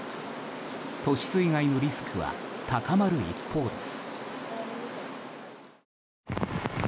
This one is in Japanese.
都市水害のリスクは高まる一方です。